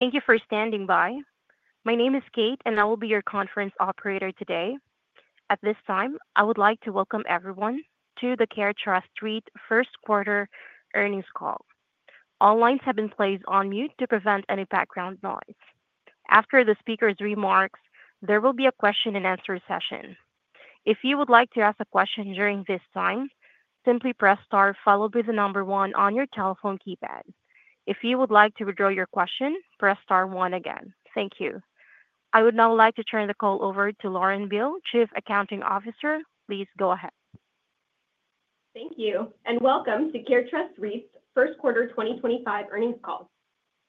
Thank you for standing by. My name is Kate, and I will be your conference operator today. At this time, I would like to welcome everyone to the CareTrust REIT first quarter earnings call. All lines have been placed on mute to prevent any background noise. After the speaker's remarks, there will be a question-and-answer session. If you would like to ask a question during this time, simply press star followed by the number one on your telephone keypad. If you would like to withdraw your question, press star one again. Thank you. I would now like to turn the call over to Lauren Beale, Chief Accounting Officer. Please go ahead. Thank you, and welcome to CareTrust REIT's first quarter 2025 earnings call.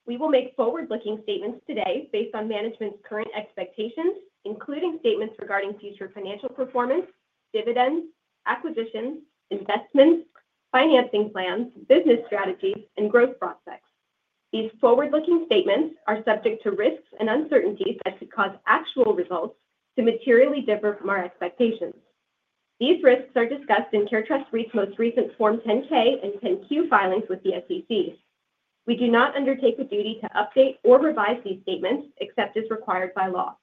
We will make forward-looking statements today based on management's current expectations, including statements regarding future financial performance, dividends, acquisitions, investments, financing plans, business strategies, and growth prospects. These forward-looking statements are subject to risks and uncertainties that could cause actual results to materially differ from our expectations. These risks are discussed in CareTrust REIT's most recent Form 10-K and 10-Q filings with the SEC. We do not undertake a duty to update or revise these statements except as required by law.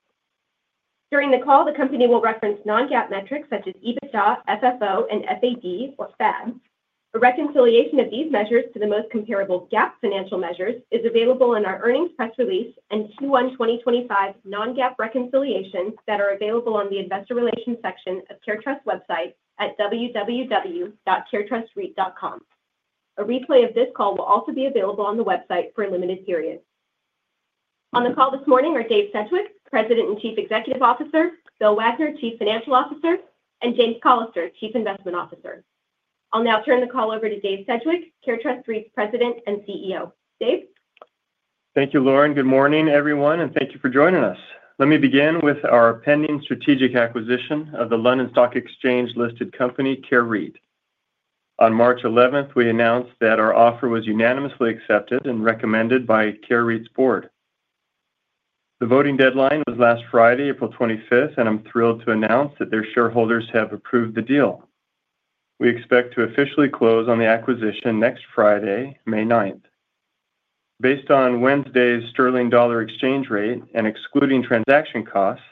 During the call, the company will reference non-GAAP metrics such as EBITDA, FFO, and FAD, or FADs. A reconciliation of these measures to the most comparable GAAP financial measures is available in our earnings press release and Q1 2025 non-GAAP reconciliations that are available on the investor relations section of CareTrust's website at www.caretrustreit.com. A replay of this call will also be available on the website for a limited period. On the call this morning are Dave Sedgwick, President and Chief Executive Officer; Bill Wagner, Chief Financial Officer; and James Callister, Chief Investment Officer. I'll now turn the call over to Dave Sedgwick, CareTrust REIT's President and CEO. Dave? Thank you, Lauren. Good morning, everyone, and thank you for joining us. Let me begin with our pending strategic acquisition of the London Stock Exchange-listed company, Care REIT. On March 11, we announced that our offer was unanimously accepted and recommended by Care REIT's board. The voting deadline was last Friday, April 25, and I'm thrilled to announce that their shareholders have approved the deal. We expect to officially close on the acquisition next Friday, May 9. Based on Wednesday's sterling-dollar exchange rate and excluding transaction costs,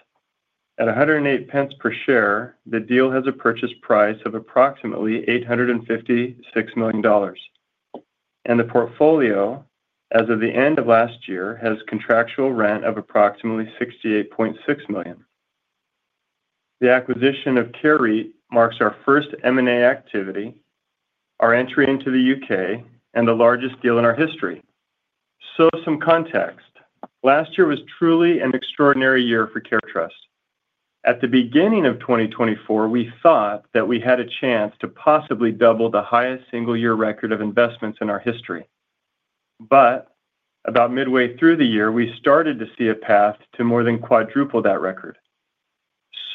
at 1.08 per share, the deal has a purchase price of approximately $856 million, and the portfolio, as of the end of last year, has contractual rent of approximately $68.6 million. The acquisition of Care REIT marks our first M&A activity, our entry into the U.K., and the largest deal in our history, so as some contact. Last year was truly an extraordinary year for CareTrust. At the beginning of 2024, we thought that we had a chance to possibly double the highest single-year record of investments in our history. About midway through the year, we started to see a path to more than quadruple that record.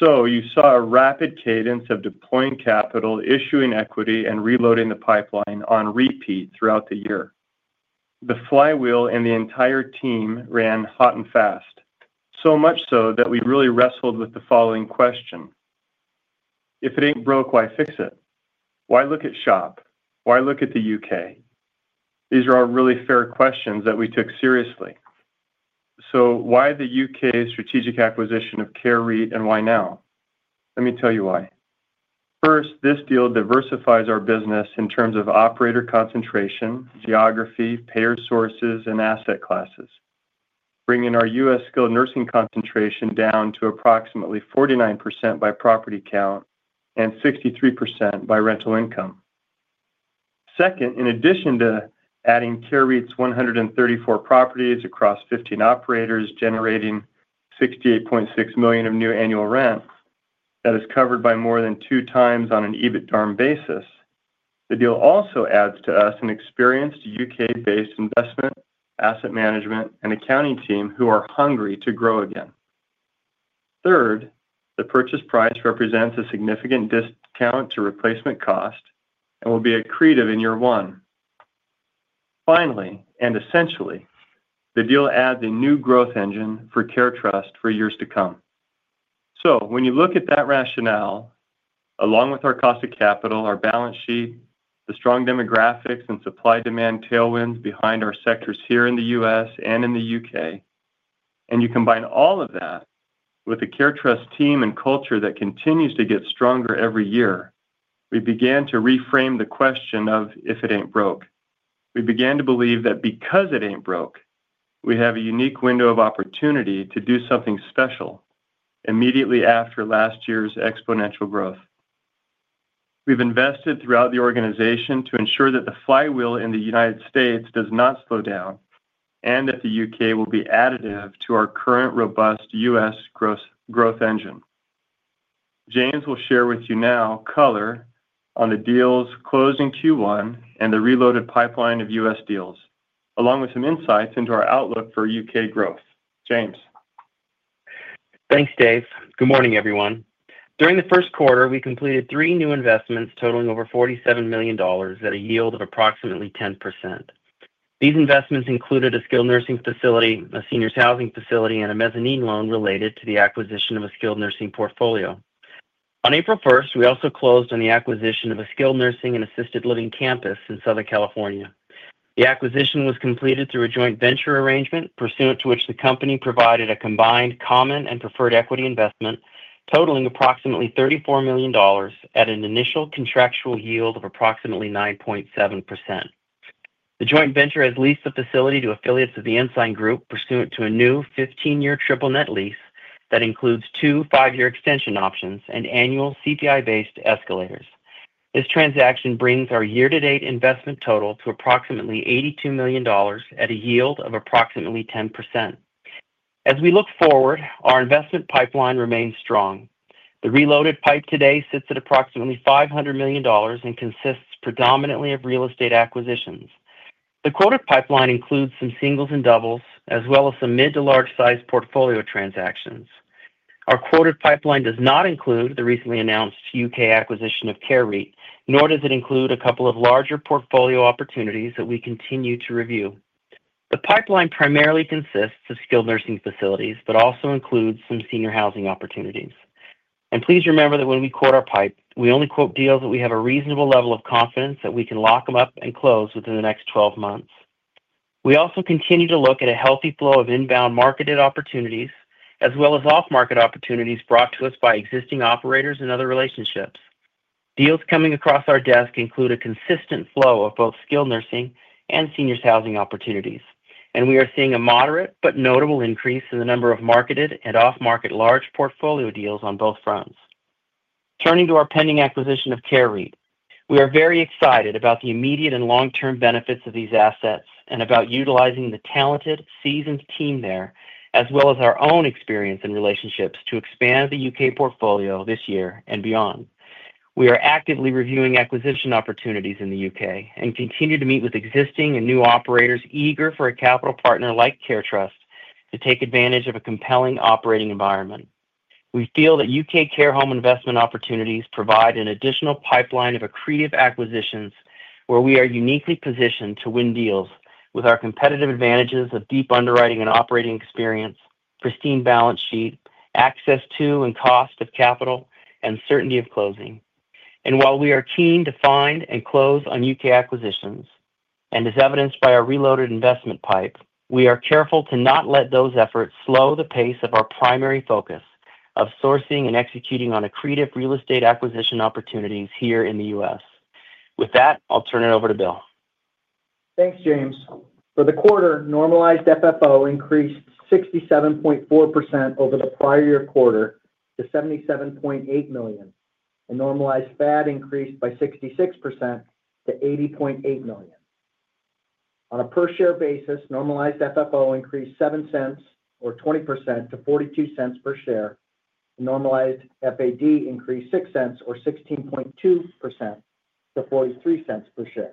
You saw a rapid cadence of deploying capital, issuing equity, and reloading the pipeline on repeat throughout the year. The flywheel and the entire team ran hot and fast, so much so that we really wrestled with the following question: If it ain't broke, why fix it? Why look at shop? Why look at the U.K.? These are all really fair questions that we took seriously. Why the U.K. strategic acquisition of Care REIT, and why now? Let me tell you why. First, this deal diversifies our business in terms of operator concentration, geography, payer sources, and asset classes, bringing our U.S. skilled nursing concentration down to approximately 49% by property count and 63% by rental income. Second, in addition to adding Care REIT's 134 properties across 15 operators, generating $68.6 million of new annual rent that is covered by more than two times on an EBITDA basis, the deal also adds to us an experienced U.K.-based investment, asset management, and accounting team who are hungry to grow again. Third, the purchase price represents a significant discount to replacement cost and will be accretive in year one. Finally, and essentially, the deal adds a new growth engine for CareTrust for years to come. When you look at that rationale, along with our cost of capital, our balance sheet, the strong demographics, and supply-demand tailwinds behind our sectors here in the U.S. and in the U.K., and you combine all of that with the CareTrust team and culture that continues to get stronger every year, we began to reframe the question of if it ain't broke. We began to believe that because it ain't broke, we have a unique window of opportunity to do something special immediately after last year's exponential growth. We've invested throughout the organization to ensure that the flywheel in the United States does not slow down and that the U.K. will be additive to our current robust U.S. growth engine. James will share with you now color on the deals closed in Q1 and the reloaded pipeline of US deals, along with some insights into our outlook for U.K. growth. James. Thanks, Dave. Good morning, everyone. During the first quarter, we completed three new investments totaling over $47 million at a yield of approximately 10%. These investments included a skilled nursing facility, a seniors housing facility, and a mezzanine loan related to the acquisition of a skilled nursing portfolio. On April 1, we also closed on the acquisition of a skilled nursing and assisted living campus in Southern California. The acquisition was completed through a joint venture arrangement, pursuant to which the company provided a combined common and preferred equity investment totaling approximately $34 million at an initial contractual yield of approximately 9.7%. The joint venture has leased the facility to affiliates of the Ensign Group, pursuant to a new 15-year triple-net lease that includes two five-year extension options and annual CPI-based escalators. This transaction brings our year-to-date investment total to approximately $82 million at a yield of approximately 10%. As we look forward, our investment pipeline remains strong. The reloaded pipe today sits at approximately $500 million and consists predominantly of real estate acquisitions. The quoted pipeline includes some singles and doubles, as well as some mid- to large-sized portfolio transactions. Our quoted pipeline does not include the recently announced U.K. acquisition of Care REIT, nor does it include a couple of larger portfolio opportunities that we continue to review. The pipeline primarily consists of skilled nursing facilities, but also includes some seniors housing opportunities. Please remember that when we quote our pipe, we only quote deals that we have a reasonable level of confidence that we can lock them up and close within the next 12 months. We also continue to look at a healthy flow of inbound marketed opportunities, as well as off-market opportunities brought to us by existing operators and other relationships. Deals coming across our desk include a consistent flow of both skilled nursing and seniors housing opportunities, and we are seeing a moderate but notable increase in the number of marketed and off-market large portfolio deals on both fronts. Turning to our pending acquisition of Care REIT, we are very excited about the immediate and long-term benefits of these assets and about utilizing the talented, seasoned team there, as well as our own experience and relationships to expand the U.K. portfolio this year and beyond. We are actively reviewing acquisition opportunities in the U.K. and continue to meet with existing and new operators eager for a capital partner like CareTrust to take advantage of a compelling operating environment. We feel that U.K. care home investment opportunities provide an additional pipeline of accretive acquisitions where we are uniquely positioned to win deals with our competitive advantages of deep underwriting and operating experience, pristine balance sheet, access to and cost of capital, and certainty of closing. While we are keen to find and close on U.K. acquisitions, and as evidenced by our reloaded investment pipe, we are careful to not let those efforts slow the pace of our primary focus of sourcing and executing on accretive real estate acquisition opportunities here in the U.S. With that, I'll turn it over to Bill. Thanks, James. For the quarter, normalized FFO increased 67.4% over the prior year quarter to $77.8 million, and normalized FAD increased by 66% to $80.8 million. On a per-share basis, normalized FFO increased $0.07, or 20%, to $0.42 per share, and normalized FAD increased $0.06, or 16.2%, to $0.43 per share.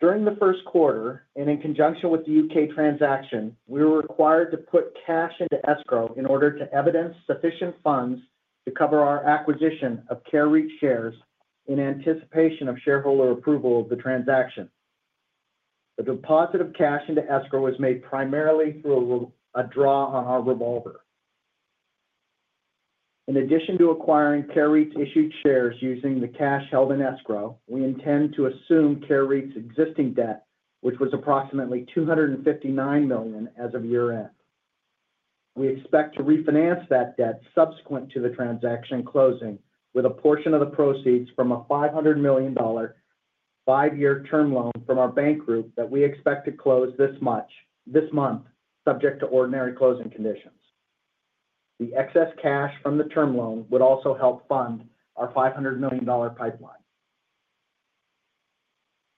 During the first quarter, and in conjunction with the U.K. transaction, we were required to put cash into escrow in order to evidence sufficient funds to cover our acquisition of Care REIT shares in anticipation of shareholder approval of the transaction. The deposit of cash into escrow was made primarily through a draw on our revolver. In addition to acquiring Care REIT's issued shares using the cash held in escrow, we intend to assume Care REIT's existing debt, which was approximately $259 million as of year-end. We expect to refinance that debt subsequent to the transaction closing with a portion of the proceeds from a $500 million five-year term loan from our bank group that we expect to close this month, subject to ordinary closing conditions. The excess cash from the term loan would also help fund our $500 million pipeline.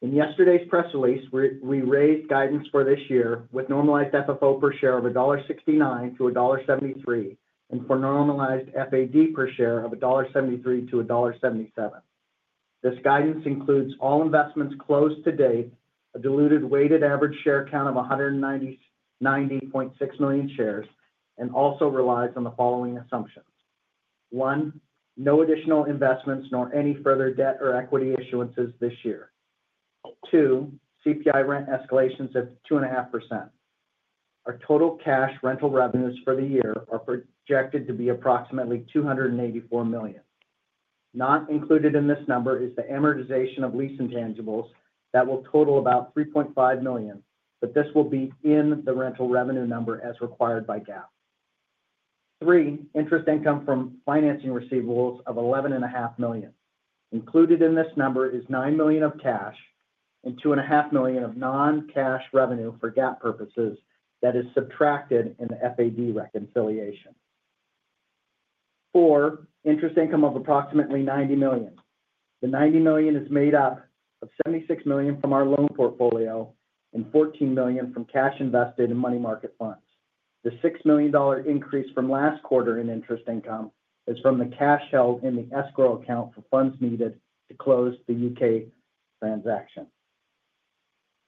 In yesterday's press release, we raised guidance for this year with normalized FFO per share of $1.69-$1.73 and for normalized FAD per share of $1.73-$1.77. This guidance includes all investments closed to date, a diluted weighted average share count of 190.6 million shares, and also relies on the following assumptions: one, no additional investments nor any further debt or equity issuances this year; two, CPI rent escalations at 2.5%. Our total cash rental revenues for the year are projected to be approximately $284 million. Not included in this number is the amortization of lease intangibles that will total about $3.5 million, but this will be in the rental revenue number as required by GAAP. Three, interest income from financing receivables of $11.5 million. Included in this number is $9 million of cash and $2.5 million of non-cash revenue for GAAP purposes that is subtracted in the FAD reconciliation. Four, interest income of approximately $90 million. The $90 million is made up of $76 million from our loan portfolio and $14 million from cash invested in money market funds. The $6 million increase from last quarter in interest income is from the cash held in the escrow account for funds needed to close the U.K. transaction.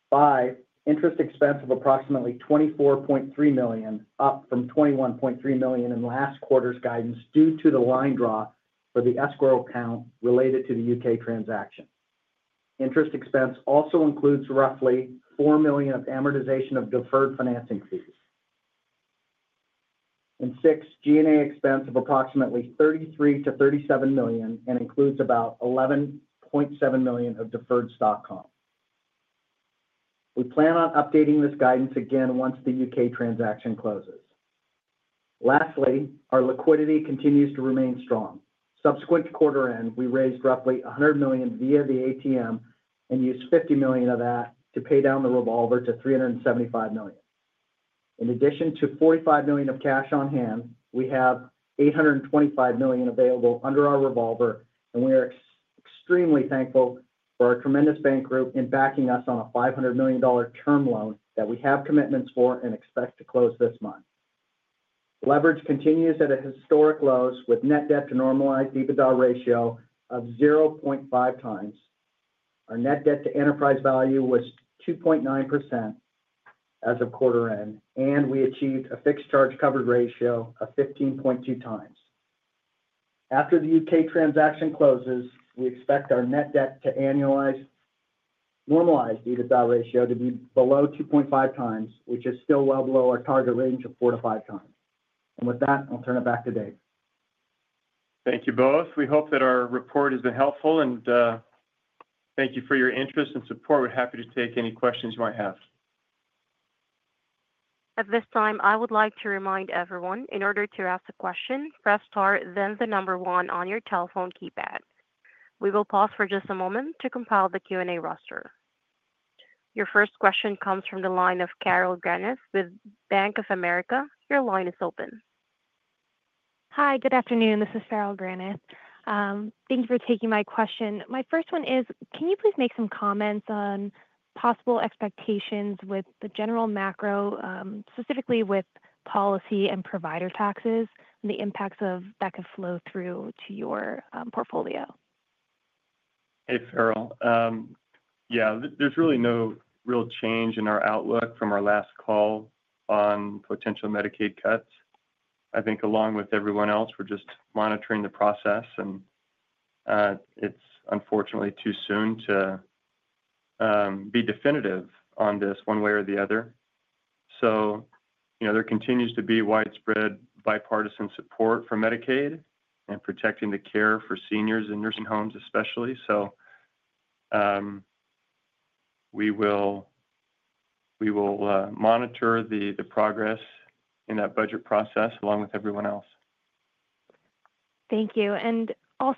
Five, interest expense of approximately $24.3 million, up from $21.3 million in last quarter's guidance due to the line draw for the escrow account related to the U.K. transaction. Interest expense also includes roughly $4 million of amortization of deferred financing fees. Six, G&A expense of approximately $33-$37 million and includes about $11.7 million of deferred stock comp. We plan on updating this guidance again once the U.K. transaction closes. Lastly, our liquidity continues to remain strong. Subsequent to quarter-end, we raised roughly $100 million via the ATM and used $50 million of that to pay down the revolver to $375 million. In addition to $45 million of cash on hand, we have $825 million available under our revolver, and we are extremely thankful for our tremendous bank group in backing us on a $500 million term loan that we have commitments for and expect to close this month. Leverage continues at historic lows with net debt to normalized EBITDA ratio of 0.5 times. Our net debt to enterprise value was 2.9% as of quarter-end, and we achieved a fixed charge coverage ratio of 15.2 times. After the U.K. transaction closes, we expect our net debt to normalized EBITDA ratio to be below 2.5 times, which is still well below our target range of 4-5 times. With that, I'll turn it back to Dave. Thank you both. We hope that our report has been helpful, and thank you for your interest and support. We're happy to take any questions you might have. At this time, I would like to remind everyone in order to ask a question, press star, then the number one on your telephone keypad. We will pause for just a moment to compile the Q&A roster. Your first question comes from the line of Carol Granath with Bank of America. Your line is open. Hi, good afternoon. This is Carol Granath. Thank you for taking my question. My first one is, can you please make some comments on possible expectations with the general macro, specifically with policy and provider taxes, and the impacts of that could flow through to your portfolio? Hey, Carol. Yeah, there's really no real change in our outlook from our last call on potential Medicaid cuts. I think along with everyone else, we're just monitoring the process, and it's unfortunately too soon to be definitive on this one way or the other. There continues to be widespread bipartisan support for Medicaid and protecting the care for seniors in nursing homes, especially. We will monitor the progress in that budget process along with everyone else. Thank you. I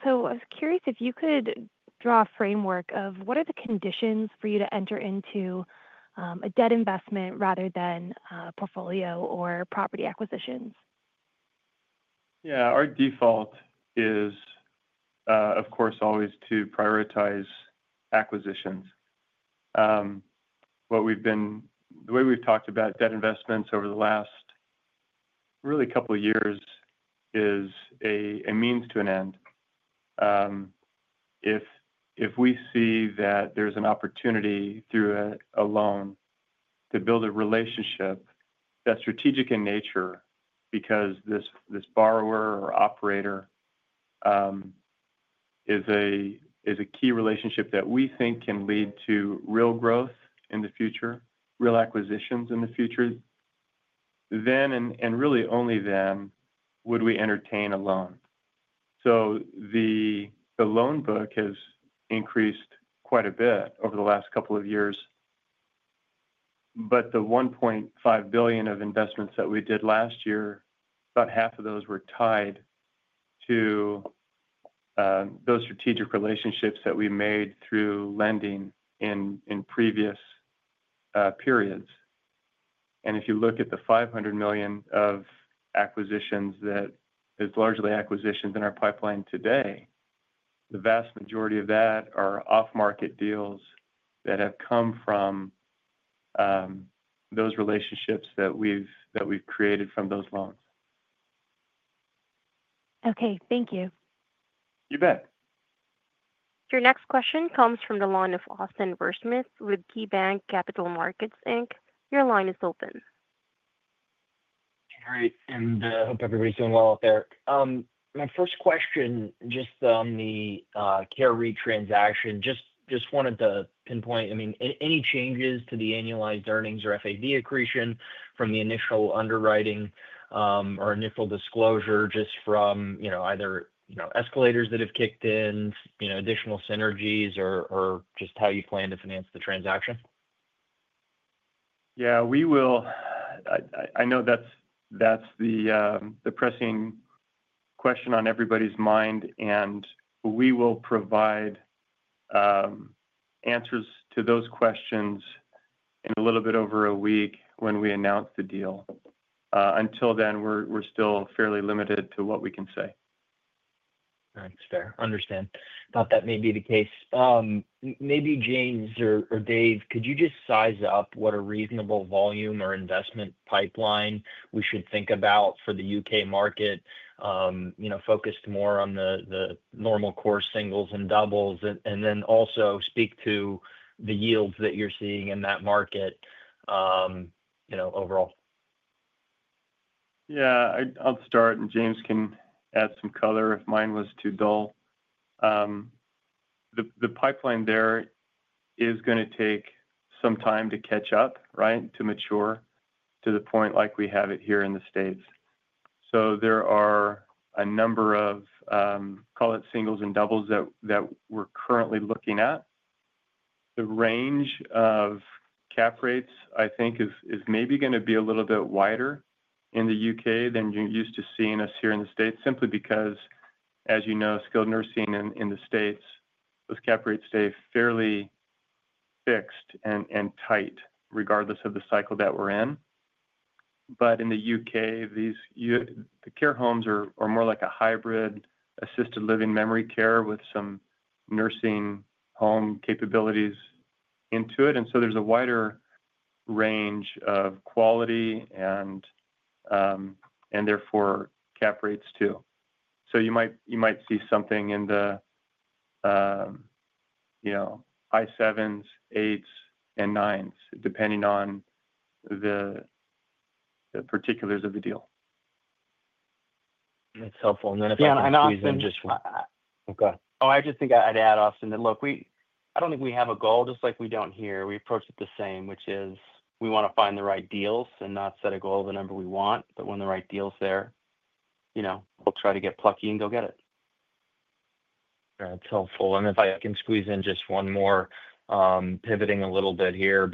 was curious if you could draw a framework of what are the conditions for you to enter into a debt investment rather than a portfolio or property acquisitions. Yeah, our default is, of course, always to prioritize acquisitions. The way we've talked about debt investments over the last really couple of years is a means to an end. If we see that there's an opportunity through a loan to build a relationship that's strategic in nature because this borrower or operator is a key relationship that we think can lead to real growth in the future, real acquisitions in the future, then and really only then would we entertain a loan. The loan book has increased quite a bit over the last couple of years, but the $1.5 billion of investments that we did last year, about half of those were tied to those strategic relationships that we made through lending in previous periods. If you look at the $500 million of acquisitions, that is largely acquisitions in our pipeline today. The vast majority of that are off-market deals that have come from those relationships that we've created from those loans. Okay, thank you. You bet. Your next question comes from the line of Austin Wurschmidt with KeyBanc Capital Markets. Your line is open. Great. I hope everybody's doing well out there. My first question just on the CareTrust REIT transaction, just wanted to pinpoint, I mean, any changes to the annualized earnings or FAD accretion from the initial underwriting or initial disclosure just from either escalators that have kicked in, additional synergies, or just how you plan to finance the transaction? Yeah, I know that's the pressing question on everybody's mind, and we will provide answers to those questions in a little bit over a week when we announce the deal. Until then, we're still fairly limited to what we can say. Thanks, there. Understand. Thought that may be the case. Maybe James or Dave, could you just size up what a reasonable volume or investment pipeline we should think about for the U.K. market, focused more on the normal core singles and doubles, and then also speak to the yields that you're seeing in that market overall? Yeah, I'll start, and James can add some color if mine was too dull. The pipeline there is going to take some time to catch up, right, to mature to the point like we have it here in the States. There are a number of, call it singles and doubles, that we're currently looking at. The range of cap rates, I think, is maybe going to be a little bit wider in the U.K. than you're used to seeing us here in the States, simply because, as you know, skilled nursing in the States, those cap rates stay fairly fixed and tight regardless of the cycle that we're in. In the U.K., the care homes are more like a hybrid assisted living memory care with some nursing home capabilities into it. There is a wider range of quality and therefore cap rates too. You might see something in the 7s, 8s, and 9s, depending on the particulars of the deal. That's helpful. If I can please. Yeah, and Austin just. Oh, go ahead. Oh, I just think I'd add, Austin, that, look, I don't think we have a goal just like we don't here. We approach it the same, which is we want to find the right deals and not set a goal of the number we want, but when the right deal's there, we'll try to get plucky and go get it. That's helpful. If I can squeeze in just one more, pivoting a little bit here,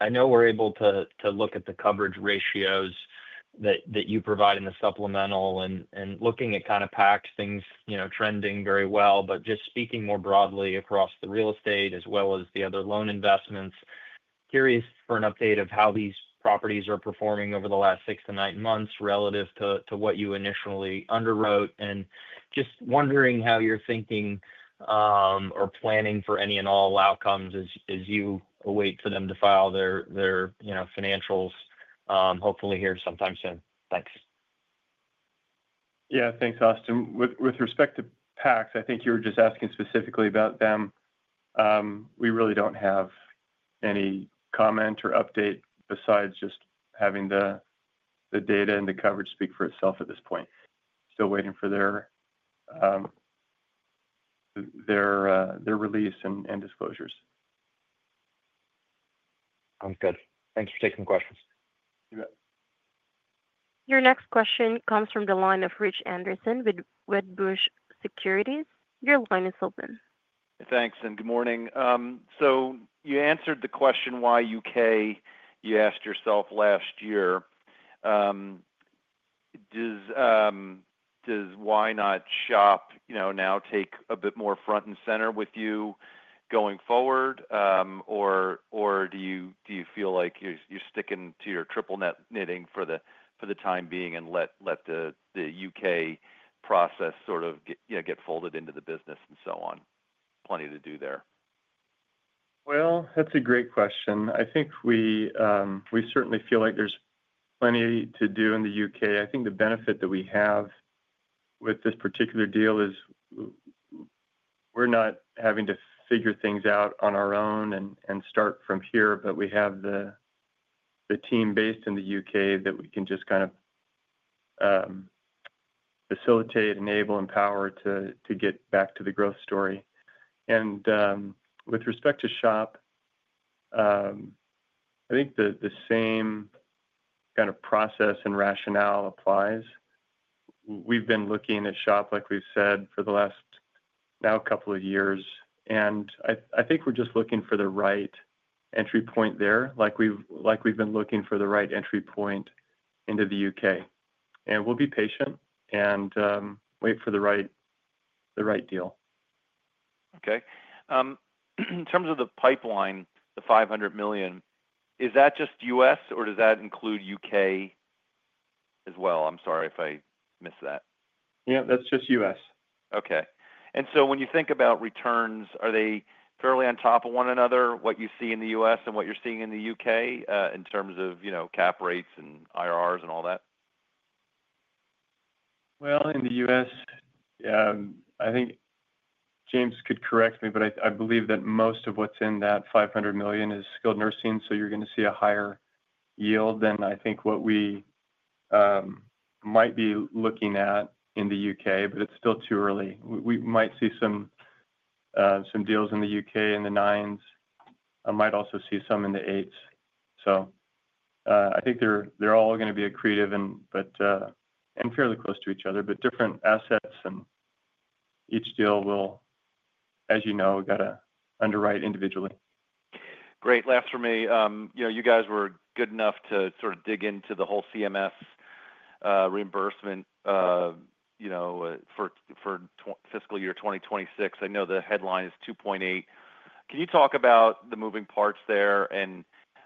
I know we're able to look at the coverage ratios that you provide in the supplemental and looking at kind of PACS, things trending very well, just speaking more broadly across the real estate as well as the other loan investments, curious for an update of how these properties are performing over the last six to nine months relative to what you initially underwrote. Just wondering how you're thinking or planning for any and all outcomes as you await for them to file their financials, hopefully here sometime soon. Thanks. Yeah, thanks, Austin. With respect to PACS, I think you were just asking specifically about them. We really do not have any comment or update besides just having the data and the coverage speak for itself at this point. Still waiting for their release and disclosures. Sounds good. Thanks for taking the questions. You bet. Your next question comes from the line of Rich Anderson with Wedbush Securities. Your line is open. Thanks, and good morning. You answered the question why U.K. you asked yourself last year. Does why not SHOP now take a bit more front and center with you going forward, or do you feel like you're sticking to your triple-net knitting for the time being and let the U.K. process sort of get folded into the business and so on? Plenty to do there. That's a great question. I think we certainly feel like there's plenty to do in the U.K. I think the benefit that we have with this particular deal is we're not having to figure things out on our own and start from here, but we have the team based in the U.K. that we can just kind of facilitate, enable, empower to get back to the growth story. With respect to shop, I think the same kind of process and rationale applies. We've been looking at shop, like we've said, for the last now a couple of years, and I think we're just looking for the right entry point there, like we've been looking for the right entry point into the U.K. We'll be patient and wait for the right deal. Okay. In terms of the pipeline, the $500 million, is that just U.S., or does that include U.K. as well? I'm sorry if I missed that. Yeah, that's just U.S. Okay. When you think about returns, are they fairly on top of one another, what you see in the U.S. and what you're seeing in the U.K. in terms of cap rates and IRRs and all that? In the U.S., I think James could correct me, but I believe that most of what's in that $500 million is skilled nursing, so you're going to see a higher yield than I think what we might be looking at in the U.K., but it's still too early. We might see some deals in the U.K. in the 9s. I might also see some in the 8s. I think they're all going to be accretive and fairly close to each other, but different assets, and each deal will, as you know, we've got to underwrite individually. Great. Last for me, you guys were good enough to sort of dig into the whole CMS reimbursement for fiscal year 2026. I know the headline is 2.8%. Can you talk about the moving parts there and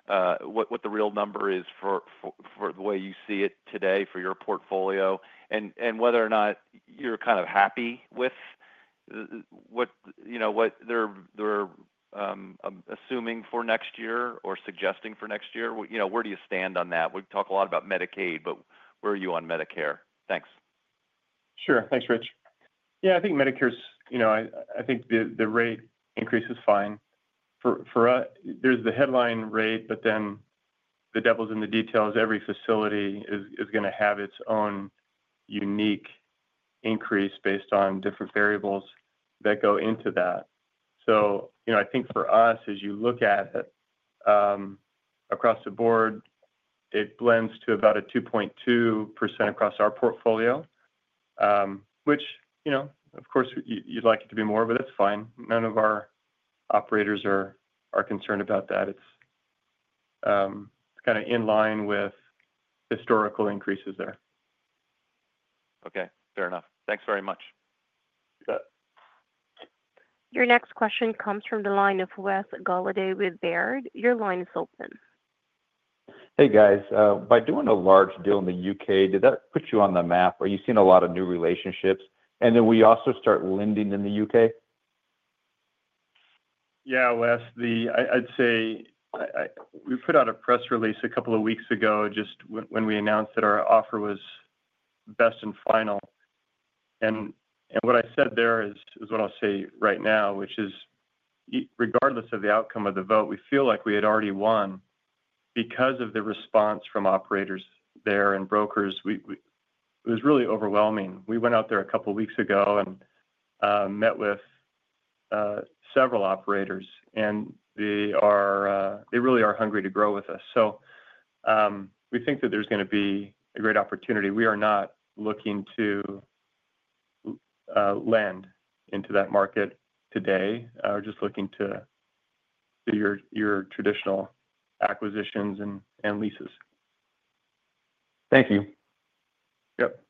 what the real number is for the way you see it today for your portfolio and whether or not you're kind of happy with what they're assuming for next year or suggesting for next year? Where do you stand on that? We talk a lot about Medicaid, but where are you on Medicare? Thanks. Sure. Thanks, Rich. Yeah, I think Medicare's, I think the rate increase is fine for us. There's the headline rate, but then the devil's in the details. Every facility is going to have its own unique increase based on different variables that go into that. I think for us, as you look at it across the board, it blends to about a 2.2% across our portfolio, which, of course, you'd like it to be more, but that's fine. None of our operators are concerned about that. It's kind of in line with historical increases there. Okay. Fair enough. Thanks very much. Your next question comes from the line of Wes Golliday with Baird. Your line is open. Hey, guys. By doing a large deal in the U.K., did that put you on the map? Are you seeing a lot of new relationships? Will you also start lending in the U.K.? Yeah, Wes. I'd say we put out a press release a couple of weeks ago just when we announced that our offer was best and final. What I said there is what I'll say right now, which is regardless of the outcome of the vote, we feel like we had already won because of the response from operators there and brokers. It was really overwhelming. We went out there a couple of weeks ago and met with several operators, and they really are hungry to grow with us. We think that there's going to be a great opportunity. We are not looking to land into that market today. We're just looking to do your traditional acquisitions and leases. Thank you. Yep.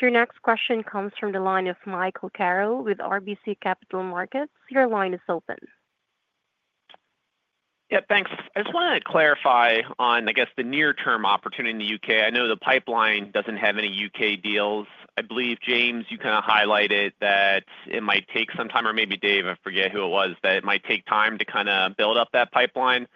Your next question comes from the line of Michael Carroll with RBC Capital Markets. Your line is open. Yeah, thanks. I just want to clarify on, I guess, the near-term opportunity in the U.K. I know the pipeline does not have any U.K. deals. I believe, James, you kind of highlighted that it might take some time or maybe Dave, I forget who it was, that it might take time to kind of build up that pipeline.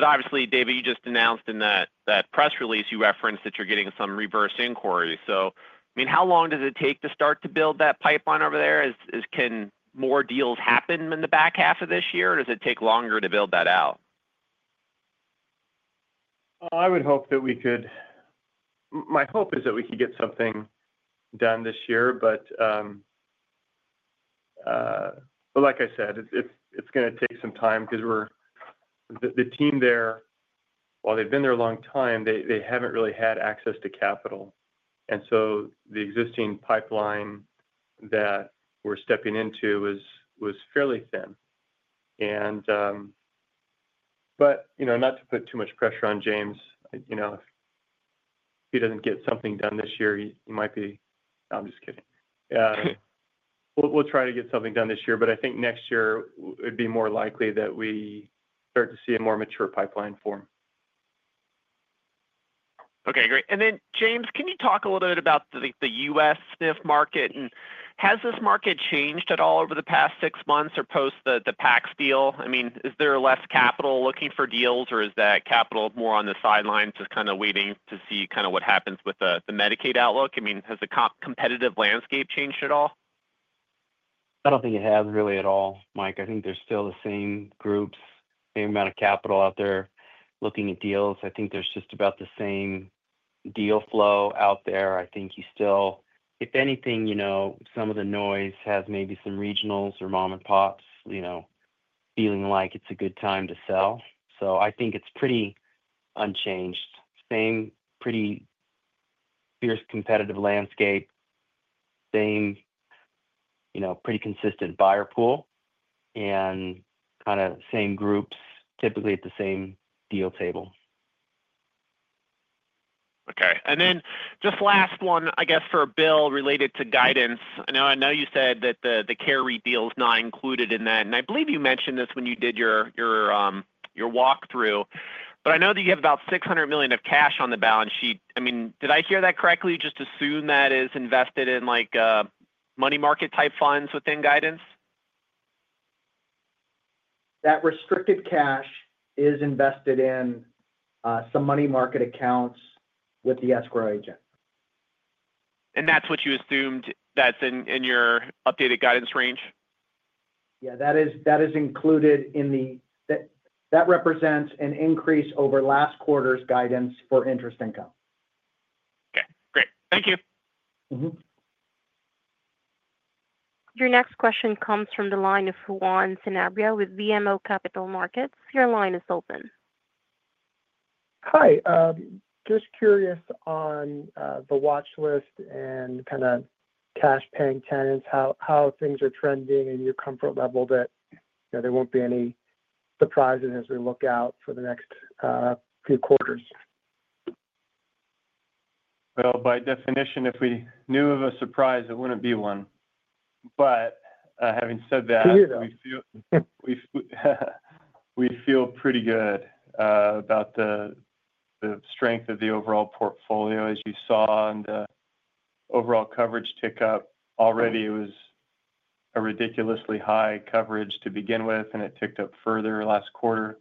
Obviously, David, you just announced in that press release you referenced that you are getting some reverse inquiries. I mean, how long does it take to start to build that pipeline over there? Can more deals happen in the back half of this year, or does it take longer to build that out? I would hope that we could, my hope is that we could get something done this year, but like I said, it's going to take some time because the team there, while they've been there a long time, they haven't really had access to capital. And so the existing pipeline that we're stepping into was fairly thin. Not to put too much pressure on James, if he doesn't get something done this year, he might be—I'm just kidding. We'll try to get something done this year, but I think next year it'd be more likely that we start to see a more mature pipeline form. Okay, great. James, can you talk a little bit about the U.S. SNF market? Has this market changed at all over the past six months or post the PACS deal? I mean, is there less capital looking for deals, or is that capital more on the sidelines just kind of waiting to see kind of what happens with the Medicaid outlook? I mean, has the competitive landscape changed at all? I don't think it has really at all, Mike. I think there's still the same groups, same amount of capital out there looking at deals. I think there's just about the same deal flow out there. I think you still, if anything, some of the noise has maybe some regionals or mom-and-pops feeling like it's a good time to sell. I think it's pretty unchanged. Same pretty fierce competitive landscape, same pretty consistent buyer pool, and kind of same groups, typically at the same deal table. Okay. And then just last one, I guess, for Bill, related to guidance. I know you said that the Care REIT deal is not included in that. I believe you mentioned this when you did your walkthrough, but I know that you have about $600 million of cash on the balance sheet. I mean, did I hear that correctly? You just assume that is invested in money market-type funds within guidance? That restricted cash is invested in some money market accounts with the escrow agent. That's what you assumed that's in your updated guidance range? Yeah, that is included in the—that represents an increase over last quarter's guidance for interest income. Okay. Great. Thank you. Your next question comes from the line of Juan Sanabria with BMO Capital Markets. Your line is open. Hi. Just curious on the watchlist and kind of cash-paying tenants, how things are trending and your comfort level that there won't be any surprises as we look out for the next few quarters. By definition, if we knew of a surprise, it wouldn't be one. But having said that. Can you hear that? We feel pretty good about the strength of the overall portfolio, as you saw, and the overall coverage tick up. Already, it was a ridiculously high coverage to begin with, and it ticked up further last quarter.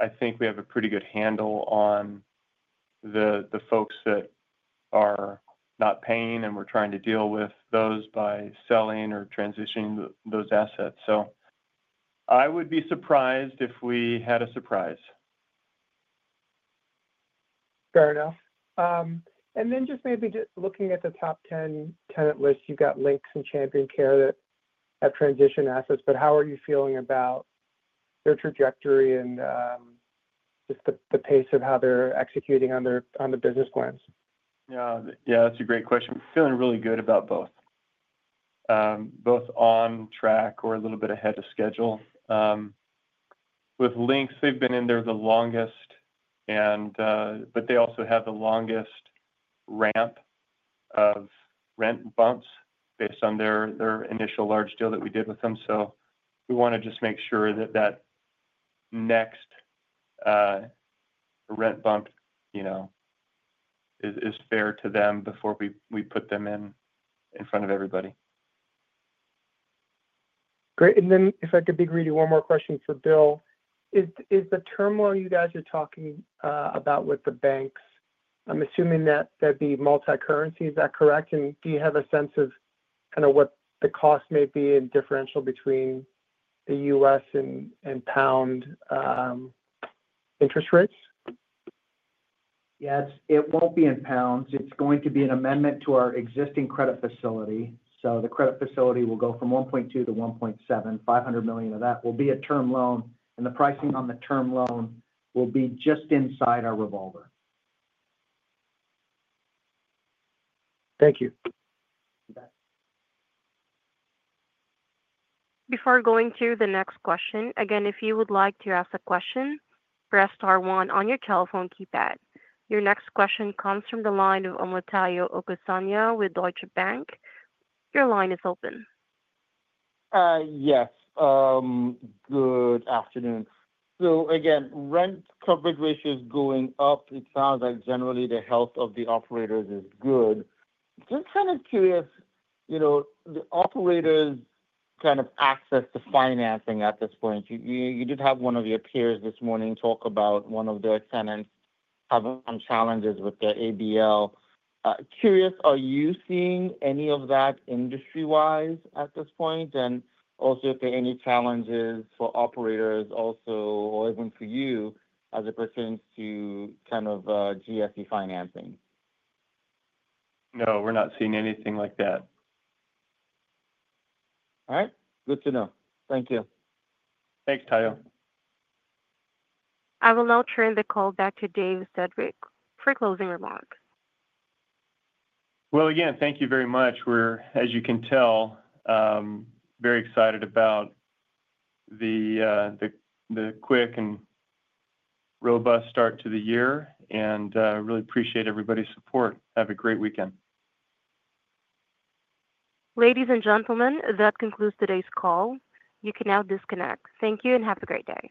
I think we have a pretty good handle on the folks that are not paying, and we're trying to deal with those by selling or transitioning those assets. I would be surprised if we had a surprise. Fair enough. Just maybe looking at the top 10 tenant list, you've got Lynx and Champion Care that have transitioned assets, but how are you feeling about their trajectory and just the pace of how they're executing on the business plans? Yeah. Yeah, that's a great question. Feeling really good about both. Both on track or a little bit ahead of schedule. With Lynx, they've been in there the longest, but they also have the longest ramp of rent bumps based on their initial large deal that we did with them. We want to just make sure that that next rent bump is fair to them before we put them in front of everybody. Great. If I could be greedy, one more question for Bill. Is the term while you guys are talking about with the banks, I'm assuming that that would be multi-currency. Is that correct? Do you have a sense of kind of what the cost may be in differential between the US and pound interest rates? Yeah, it won't be in pounds. It's going to be an amendment to our existing credit facility. So the credit facility will go from $1.2 billion to $1.7 billion. $500 million of that will be a term loan, and the pricing on the term loan will be just inside our revolver. Thank you. Before going to the next question, again, if you would like to ask a question, press star one on your telephone keypad. Your next question comes from the line of Omotayo Okusanya with Deutsche Bank. Your line is open. Yes. Good afternoon. Again, rent coverage ratio is going up. It sounds like generally the health of the operators is good. Just kind of curious, the operators' kind of access to financing at this point. You did have one of your peers this morning talk about one of their tenants having some challenges with their ABL. Curious, are you seeing any of that industry-wise at this point? Also, are there any challenges for operators also, or even for you as it pertains to kind of GSE financing? No, we're not seeing anything like that. All right. Good to know. Thank you. Thanks, Tayo. I will now turn the call back to Dave Sedgwick for closing remarks. Thank you very much. We're, as you can tell, very excited about the quick and robust start to the year, and I really appreciate everybody's support. Have a great weekend. Ladies and gentlemen, that concludes today's call. You can now disconnect. Thank you and have a great day.